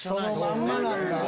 そのままなんだ。